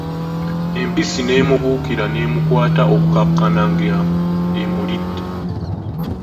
Empisi n'emubuukira n'emukwaata okukakkana nga emulidde.